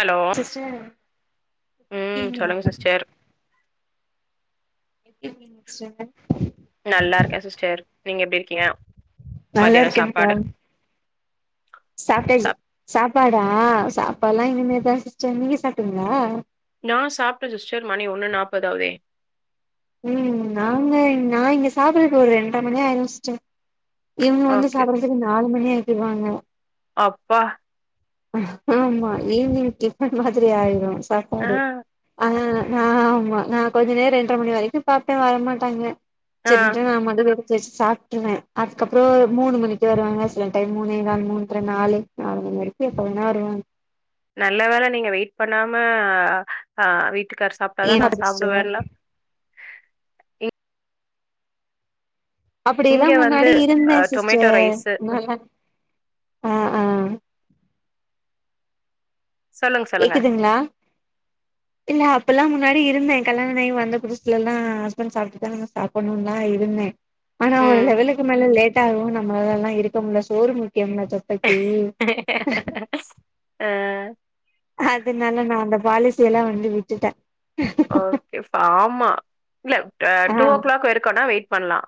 Hello sister ம் எப்டிருக்கீங்க? சொல்லுங்க சிஸ்டர் [inaudible] நல்லா இருக்கே சிஸ்டர் நீங்க எப்டி இருக்கீங்க மதியானோ நல்லார்க்கேம்ப்பா சாப்பாடு சாப்டேஜு சாப் சாப் ப்பாடா சாப்பால்லா இனிமேதா சிஸ்டர் நீங்க சாப்டீங்ளா நா சாப்ட்ட சிஸ்டர் மணி ஒண்ணு நாப்பதாவ்தே ம் நாங்க நான் இங்க சாப்பறக்கு ஒரு ரெண்ட்ர மணி ஆய்ரு சிஸ்டர் இவுங்க வந்து ஓகே ஓகே சாப்ட்றது நாலு மணி ஆய் கிர்வாங்ளா அப்பா ஆமா ஈவினிங் டிப்பன் மாதிரி ஆயிரு ஆ சாப்பாடு ஆ ஆமா நா கொஞ்ச நேர் ரெண்ட்ர மணி வரைக்கு பாப்பே வரமாட்டாங்க ஆ சரி விடுங்க [unintelligible] செச்சு சாப்ட்ருவே அதுக்கப்றோ மூணு மணிக்கு வருவாங்க சில டைம் மூணேகால் மூண்ற நாலு நாலு மணி வர எப்ப வேணா வருவாங்க நல்ல வேல நீங்க வெயிட் பண்ணாம ஆஹ் வி ட்டுக்கார் சாப்ட்டாதா ஏன் நா சிஸ்டர் சாப்டுவேல்லா அப்டியெல்லா இங்க வந்து முன்னாடி அ இருந்தே டொமேட்டோ சிஸ்டர் ரைஸு ஆ ஹ் ஆஹ் சொல்லுங்க சொல்லுங்க கேக்குதுங்ளா இல்ல அப்பில்லா முன்னாடி இருந்தே கல்யாண ஆயி வந்த புதுசுலெல்லா ஹஸ்பண்ட் சாப்ட்டுதா சாப்பட்ணுன்லா இருந்தே ஆனா ஒரு ம் லெவலுக்கு மேல லேட்டாகவு நம்மளால லா இருக்க முட்ல சோறு முக் க்யம் ல தொப்பக்கி ஆஹ அதனால நா அந்த பாலிசி எல்லா வந்து விட்டுட்டே ஓகே ஃபார்மா இல்ல அ ஆ டூ ஓ கிளாக் வரைக்குனா வெயிட் பண்லாம்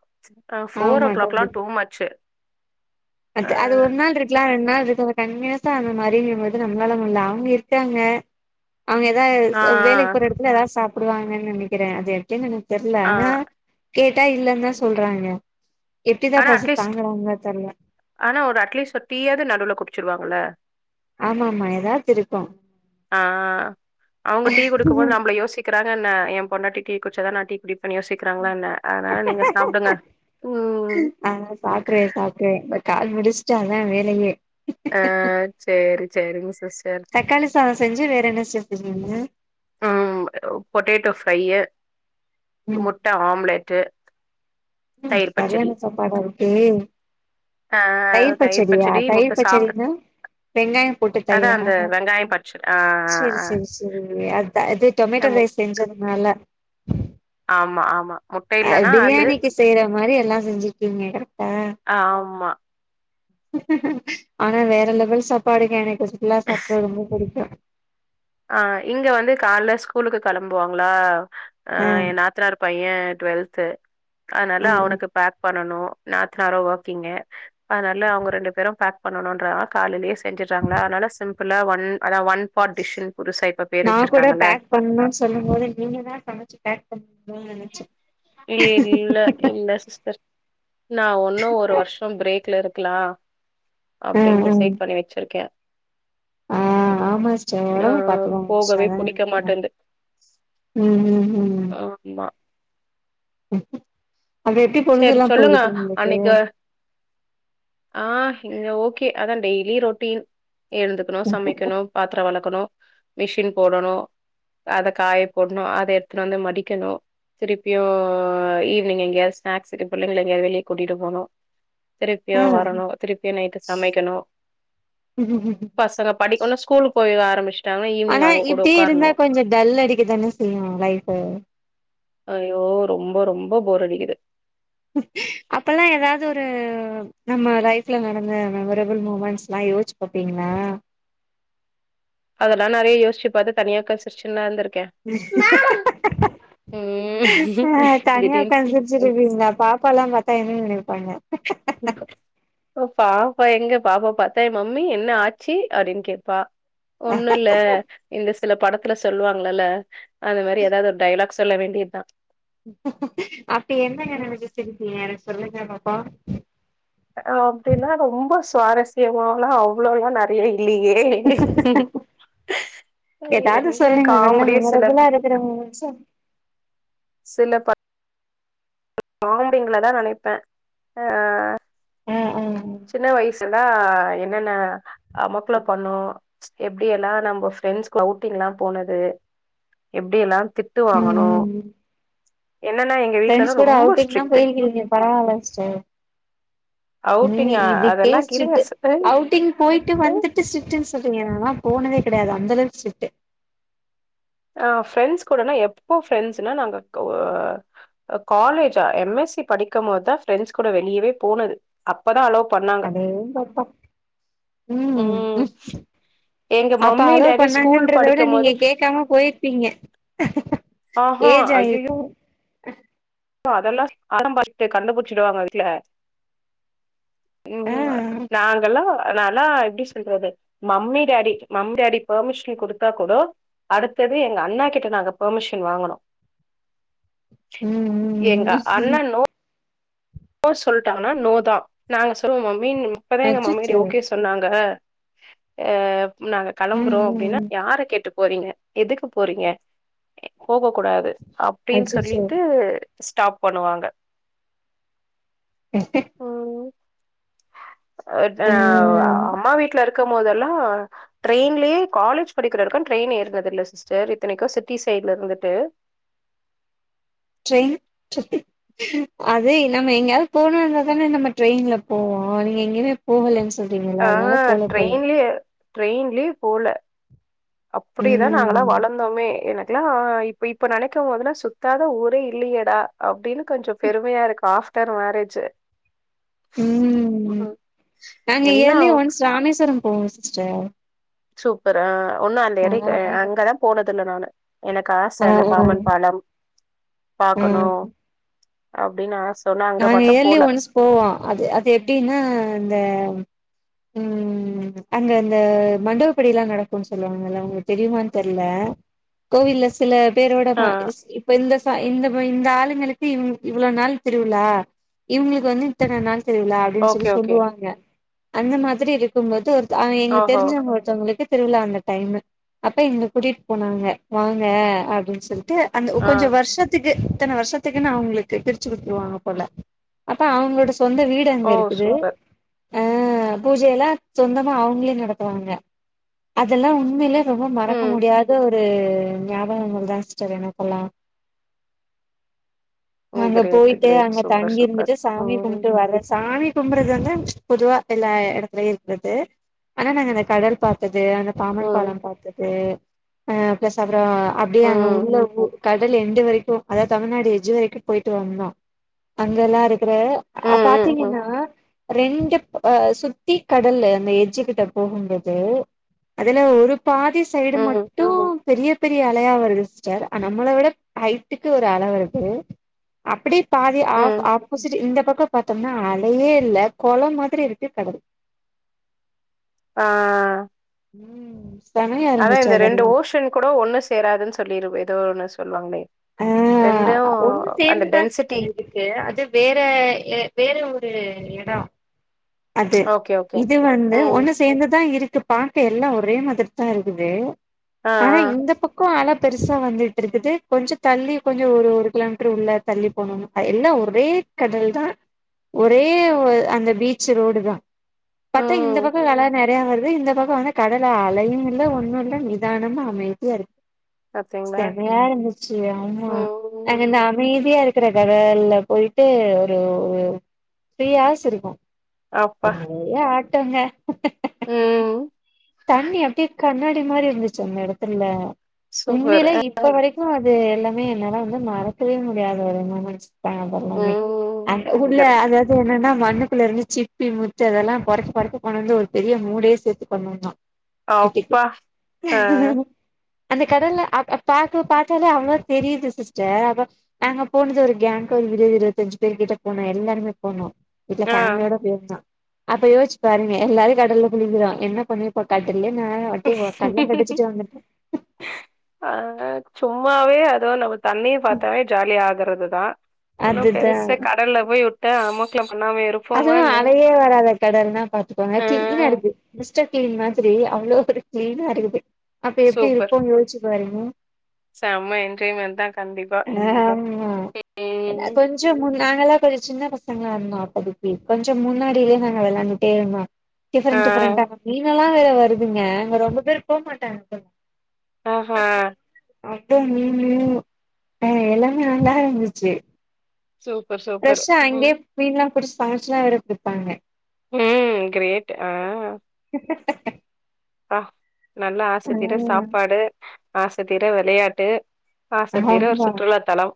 ஆ போர் ஓ கிளாக் எல்லா டூ மச்சு அ ஆ அது ஒரு நாள் இருக்கலா ரெண்டு நாள் ஒருதங்க தன்மையா தா அந்த மாதரின் போது நம்மளால முட்ல அவங்க இருக்காங்க அவங்க ஆ ஏதாவ வேலைக்கு போற ஆ இடத்துல ஏதாவ சாப் போடுவாங்கனு நனைக்கிறன் அது எப்டினு என தெர்ல ஆ ஆனா கேட்டா இல்லந்தா சொல்றாங்க எப்டிதா ஆனா பசி அட்லீஸ்ட் தாங்குறாங்கலோ தெர்ல ஆனா ஒரு அட்லீஸ்ட் ஒரு டீயாது நடுவுல குடிச்சிருவாங்கல ஆமா ஆமா எதாச்சு இருக்கு ஆஹ் அவங்க டீ குடிக்கு போது நம்மள யோசிக்கிறா என்ன என் பொண்டாட்டி டீ குடிச்சாதா நா டீ குடி ன்னு யோசிக்கிறாங்களா என்ன அதனால நீங்க சாப்டுங்க உம் ஆ சாப்ட்றே சாப்ட்றே இந்த கால் முடிச்ட்டு அதா வேலயே அ சேரி சேரிங் சிஸ்டர் என்னங்க ஆ பொட்டேட்டோ ஃப்ரையு ம் முட்ட ஆம்ப்லெட்டு ம் சரியான சாப்பாடா இருக்கே ஆ தயிர் பச்சடியா பச்சடி, முட்ட தயிர் சாப்ட பச்சடின்னா வெங்காயம் போட்டு அதான் தயிரா அந்த வெங்காயம் பச்சடி ஆ செரி ஆ ஆ. செரி செரி ட்ட இது அ, டொமேட்டோ முட் ரைஸ் செஞ்சதுனால ஆமா ஆமா முட்ட அ இல்லன்னா அது பிரியாணிக்கி செய்ற மாரி எல்லா செஞ்சுட்டீகீங்க கரெக் அ ஆமா ஆனா வேற லெவல் சாப்பாடுங்க எனக் [unintelligible] சாப்ட ரொம்ப புடிக்கு ஆ இங்க வந்து கால்ல ஸ்கூலுக்கு கெளம்புவாங்களா ஆ ஏ நாத்தனார் பையே டுவெல் த்து அனால ஆ ஆ அவனுக்கு பேக் பண்ணனு நாத்தனாரு ஓக்கிங்கு அதனால அவங்க ரெண்டு பேரும் பேக் பண்ணணுன்றா காலைலயே செஞ்சிர்றாங்களா அதனால சிம் ப்புலா ஒன் அதா ஒன் பாட் டிஷ்ஷுன் நா கூட பேக் பண்ணுன் சொல்லம் போது நீங்க தா சமச்சு பேக் பண் இல்ல இல்ல சிஸ்டர் நா ஒன்னு ஒரு வர்ஷொ ப்ரேக்ல இருக் குலா ஆ அப்டின் டிசைட் பண்ணி வச்சிருக்கே ஆ ஆமா சிஸ்டர் ஆ ஒடம்பு பாத்துக்கோங்க சிஸ்டர் போகவே அதானே புடிக்க முக்கியொ மாட்டேன்து ம் ம் ம் ஆமா அப்ப எப்டி சேரி பொழுதுல்லா சொல்லுங்க போகுது உங்களுக்கு அன்னைக்கு ஆ இங்க ஓகே அதா டெய்லி ரொட்டீன் எழ்ந்துக்குணு சமைக்கணு பாத்ரொ வெளக் ருக்கனு மிஷின் போடணு மேல காய போடனு அத எடுத்துட்டு வந்து மடிக்கணு திருப்பியு ஈவினிங் எங்கயா ஸ்னாக்ஸ்க்கு பிள்ளைங்கள எங்கயாவது வெளியே கூட்டிகிட்டு போனு ஆ திருப்பியு வரணு திருப்பியு நைட்டு சமைக்கணு பசங்க படிக்னு ஸ்கூ கூல் போயி ஆரம்பிச் ஆனா இப்டியே இருந்தா கொஞ்சோ டல் அடிக்குதானே செய்யு லைஃப் ஐயோ! ரொம்ப ரொம்ப போர் அடிக்குது அப்பல்லாம் ஏதாவது ஒரு நம்ம லைஃப்ல நடந்த மெமரபிள் மூமெண்ட்ஸ் எல்லாம் யோசிச்சு பாப்பிங்களா அதெல்லா நெறைய யோசிச்சு பா உக்காந்து சிரிச்சு ன்லா இருந்திருக்க இருக்கே ம் ஆஹ் தனியா ஒக்காந்து சிரிச்சுட்டு திடீர்னு இருங்கிங்ளா பாப்பா எல்லா பாத்தா என்ன நினைப் ப் பாப் அப்ப எங்க பாப்ப பாத்தா என்ன மம்மி என்ன ஆச்சு அப்டின்னு கேட்பா ஒண்ணு இல்ல இந்த சில படத்துல சொல்லுவாங்கல்ல அந்த மாதிரி ஏதாவது ஒரு டைலாக் சொல்ல வேண்டியது தா அப்ப என்ன நென்ன ச்சு சிரிப்பீங்க சொல்லுங்கமாப்பா அப்டின்னா ரொம்ப சுவாரஸ்யமால்லா அவ்ளோவுளா நெறைய இல்ல ஏய் ஏய் ஏதாவது என்ன சொல்லுங்க நல்ல காம்மடியே சிலப் மெமரபிளா இருக்கிற மூமெண்ட்ஸ சிலப் பாம்பிங்கள தா நெனைப்பே அஹ் ஆ ஆ சின்ன வயசு எல்லா என்னென்ன அமக்குள பண்னோ எப்டி எல்லா நம்ம ப்ரெண்ஸ் கூட அவுட்டிங்லா போனது எப்டி எல்லா திட்டு ம் வாங்கனோ ம் என்னென்னா எங்க வீட்லலா ஃப்ரெண்ட்ஸ் ரொ அவுட்டிங்லா போயிருக்கீங்க பரவால சிஸ்டர் நீங்க அவுட்டிங்கா இதுக்கே அதெல்லா இருங்க ஸ்ட்ரிக்ட் அவுடிங் போட்டு வந்துட்டு ஸ்ட்ரிக்ட்னு சொல்லிறீங்க நாளா போனதே கெடையாது அந்தளவுக்கு ஸ்ட்ரிக்டு ஆ ஃப்ரெண்ட்ஸ் கூடனா எப்போ ப்ரெண்ட்ஸ்னா நாங்க காலேஜா எம் எஸ் சி படிக்கும் போதுதா ப்ரெண்ட்ஸ் கூட வெளியவே போனது அப்பதா அலவ் அதேதங்ப்பா உம் ம் எங்க அப்ப மம்மி அலவ் டாடி ஸ்கூல் பண்ணாங்கன்றத விட படிக்கும் நீங்க போது கேட்காம ட்காம போயிருப்பீங்க ஆஹா ஏஜ் ஐயயோ ஆயிருக்கு அதெல்லா [inaudible] கண்டுபுடுடிச்சுடுவாங்க வீட்ல ஆ உம் நாங்கல்லா நாலா எப்டி சொல்றது mummy daddy mummy daddy permission குடுத்தாக் கூட அடுத்தது எங்க அண்ணா கிட்ட நாங்க பர்மிஷன் வாங்கனு ம் எங்க ம் ம் அண்ணனு நோ சொல்ட்டாங்கனா நோ தா நாங்க சொல்லு மீன் இப்பதா எங்க மாமியார் அச்சச்சோ ஓகே சொன்னாங்க அ நாங்க ம் களம்புறோ அப்டினா ம் யார கேட்டு போறீங்க எதுக்கு போறீங்க போக கூடாது அப்டின் அச்சச்சோ சொல்லிட்டு ஸ்டாப் பண்ணுவாங்க அ ஆ ம் அம்மா வீட்ல இருக் கம் போதெல்லா ட்ரெயின்லயே காலேஜ் படிக்ற வரைக்கு ட்ரெயின் ஏற்னதில்ல சிஸ்டர் இத்தனைக்கு சிட்டி சைட்ல இருந்துட்டு ட்ரெயின் ட்ரெ அதே நம்ம எங்யாது போனோனாதானே நம்ம ட்ரெயின்ல போவோ நீங்க எங்கைமே போகலேன் சொல்றீங்கல்ல ஆ அதனால போல போல ட்ரெயின்லயே ட்ரெயின்லயே போல அப்டிதா நாங்களா ம் வளந்தோமே எனக் க்லா இப்ப இப்ப நெனைக்கெம் போதுலா சுத்தாத ஊரே இல்லையேடா அப்டினு கொஞ்சொ பெருமையா இருக்கு ஆஃப்டர் மேரேஜு ம் நாங்க எல்லா இயர்லி ஒன்ஸ் ராமேஸ்வரம் போவோ சிஸ்டர் சூப்பர் ஆ ஒன்னு அந்த ஆ எடை க அங்கலா போனதில்ல நானு எனக்கு ஆச ஆ ஆ அந்த பாமன் பாலம் ஆ பாக்கணு அப்டின்னு ஆஸ் நாங்க இயர்லி ஒன்ஸ் போவோ அது அது எப்டின்னா இந்த ம் அங்க அந்த மண்டகப்படில்லா நடக்குன் சொல்லுவாங்கல்ல உங்களுக் தெரியுமான் தெர்ல கோவில்ல சில பேரோட ப ஆ ஸ் இப்ப இந்த ப இந்த இந்த ஆளுங்களுக்கு இவ் இவ்ளோ நாள் திருவிழா இவுங்களுக்கு வந்து இத்தன நாள் திருவிழா அப்டின் ஓகே சொல்லி ஓகே சொல்லுவாங்க அந்த மாதிரி இருக்கும் போது ஒரு த அ எங்ளுக் ஓஹோ தெரிஞ்சவங்க ஒருத்தவ்ங்களுக்கு திருவிழா அந்த டைமு அப்ப எங்ள கூட்டிட் போனாங்க வாங்க அப்டின் சொல்லி ட்டு அந்த ஆ கொஞ்சொ வர்ஷத்துக்கு இத்தன வர்ஷத்துக்கு நா உங்களுக்கு பிரி ச்சி விட்டுருவாங்க போல அப்ப அவுங்களோட சொந்த வீடு அங்க ஓ இருக்குது சூப்பர் ஆ பூஜையெல்லா சொந்தமா அவுங்களே நடத்துவாங்க அதெல்லா உண்மைலே ரொம்ப மறக்க ம் முடியாத து ஞாபகங்கள் தா சிஸ்டர் எனக்கெல்லா அங்க உங்கிரே போயிட்டு அங்க தங்கி இருந்துட்டு சாமி கும்ட்டு வர சாமி கும்பறது வந்து பொதுவா எல்லா எடத்துலயு இருக்கது ஆனா நாங்க அந்த கடல் பாத்தது அந்த பாம்பன் பால ம் பாத்தது ஆஹ் பேசப் அப்பற அப்டியே அங்க ம் உள்ள கடல் எண்டு வரைக்கு அதாது தமிழ்நாடு எட்ஜ் வரைக்கு போயிட்டு வந்தோ அங்கெல்லா இருக் த்ரு ம் ஆஹ் ம் பாத்தீங்கன்னா ரெண்டுப் சுத்தி கடலு அந்த எட்ஜ் கிட்ட போகும்போது அதுல ஒரு பாதி சைடு ம் ம் மட்டு பெரிய பெரிய அலையா வருது சிஸ்டர் நம்மள விட ஹைட்டுக்கு ஒரு அலை வருது அப்டிப் பாதி ஆப் ம் ஆப்போசிட் இந்த பக்க பாத்தோம்னா அலையே இல்ல கொள மாரி இருக்கு கடல் ஆஹ் உம்ஸ் ஆனா இந்த ரெண்டு ஓஷன் கூட ஒண்ணு சேராதுன்னு சொல்லிரு ஏதோ ஒன்னு சொல்வாங்களே ஆஹ் ஒண்ணு சேர்ந்துதா டென்சிட்டி சிஸ்டர் இருக்கு அது வேற வேற ஒரு ஆ அது ஓகே, ஓகே. இது வந்து ம். ஒண்ணு சேந்துதான் இருக் இ பாக்க எல்லா ஒரே மதிர தா இருக்குது ஆ, ஆனா ஆ. இந்த பக்கம் அல பெருசா வந்துட்ருக்குது கொஞ்ச தள்ளி கொஞ்ச ஒரு ஒரு கிலோமீட்டர் உள்ள தள்ளி போனண எல்லா ஒரே கடல் தா ஒரே ஒ அந்த பீச் ஷிரோடுதா பத்தா இந்த ம். பக்கம் அல நெறைய வரு அ இந்த பக்க வந்து கடலை அலையு இல்ல ஒண்ணு இல்லை நிதானமா அமைதியா இருக்கு பாத்தீங்களா? செமையா இருந்துச்சு ஆமா ம். அதுல அமை ப்பியா இருக்கிற கடல்ல போயிட்டு ஒரு த்ரீ ஹார்ஸ் இருக்கு அ ஏ [unintelligible] ட்டோங்க உம் தண்ணி அப்டியே கண்ணாடி மாரி இருந்துச்சு அந்த ஏடத்துல்ல சூப்பர். உண்மையில அ. இப்ப வரைக்கு இது எல்லாமே என்னால வந்து மறக்கவே முடியாது ஒரு மொமெண்ட்ஸ் தா அது எல்லாமே ம். அந்த உள்ள சூப்பர். அதாவது என்னன்னா மண்ணுக்குல இருந்து சிப்பி முத்து அதெல்லா பொறுக்கி பொறுக்கி கொண்டு வந்து ஒரு பெரிய மூடே சேத்து பண்ணுவ நா அப்பா, ஆ அந்த கடல்ல அ பாக்க பாத்தாலே அவ்வளோ தெரியுது சிஸ்டர், அப்ப நாங்க போனது ஒரு கேங்க்கு ஒரு இருவது இருவத்தஞ்சு பேரு கிட்ட போனோ எல்லாருமே போனோ வீட்ல ஆ. ஃபேமிலியோட போயிருந்தா அப்ப யோசிச்சு பாருங்க எல்லாரு கடல்ல குளிக்கிறோ என்ன பண்ணிருப் போ கட அ சும்மாவே அதுவு நமக் தண்ணிய பாத்தாவே ஜாலி ஆக றதுதா இன்னு அதுதா பெருசா கடல்ல போயி விட்டா அமக்களம் அதுவு அலையே வராத கடல்ன்னா பாத்துக்கோங்க கிளீனா ஆ. இருக்கு மிஸ் டர் கிளீன் மாதிரி அவ்ளோ ஒரு கிளீனா இருக்குது அப்ப எப்டி சூப்பர். இருக்குன்னு யோசிச்சு பாருங்க செம்ம என்ஜாய்மென்ட் தான் கண்டிப்பா. ஆமா ம் கொஞ்சோ மு நாங்கல்லா கொஞ்சொ சின்ன பசங்களா இருந்தா படிப் கொஞ்சம் முன்னாடியிலயே நாங்க வெளாண்டுட்டே இருந்தோ ஆ டிஃபரண் டிஃபரெண்டா நீங்கல்லா வருதுங்க அங்க ரொம்ப பேர் போமாட்டாங்க ஆஹ அப்போ மீனு அ எல்லாமே நல்லா இருந்துச்சு சூப்பர் சூப்பர் ஃப்ரெஷ்ஷா ம் அங்கேய மீன்லா புடிச் சமச்லா வேற குடுப்பாங்க ம் கிரேட் ஆ ப்பா நல்லா ஆசத்தீர ம் சாப்பாடு ஆசத்தீர வெளையாட்டு ஆசத்தீர ஒரு ஆமா சுற்றுலா தலம்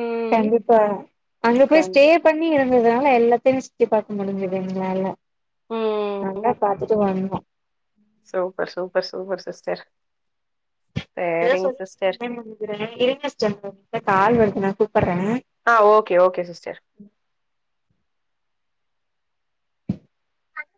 ம் கண்டிப்பா அங்க போய் இருக்காங்க ஸ்ட்டே பண்ணி இருந்ததா எல்லாத்தைமே சுத்தி பாக்க முடிஞ்சிது எங்களால ம் நல்லா பாத்துட்டு வந்தோ சூப்பர் சூப்பர் சூப்பர் சிஸ்டர் எதோ சரிங்க சொல்லிட்டு சிஸ்டர் இருந்திங்கனு நினைக்குற இருங்க சிஸ்டர் கால் வருதுனா கூப்பர்றே ஆஹ் ஓகே ஓகே சிஸ்டர்